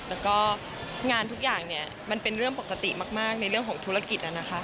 แล้วก็งานทุกอย่างเนี่ยมันเป็นเรื่องปกติมากในเรื่องของธุรกิจนะคะ